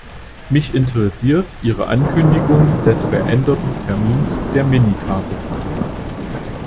Mich interessiert Ihre Ankündigung des veränderten Termins der Mini-Tagung.